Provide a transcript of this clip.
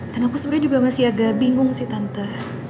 dan aku sebenernya juga masih agak bingung sih tante